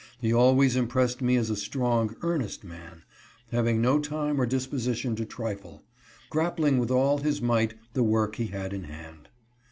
He always impressed me as a strong, earnest man, having no time or disposition to trifle ; grappling with all his might the work he had in hand.